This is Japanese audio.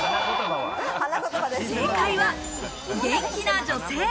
正解は元気な女性。